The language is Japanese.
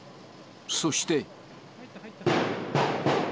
そして。